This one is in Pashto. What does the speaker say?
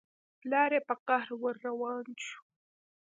پلار يې په قهر ور روان شو.